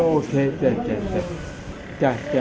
อ๋อโอเคจ้ะจ้ะจ้ะจ้ะจ้ะ